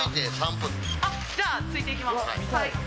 じゃあついていきます。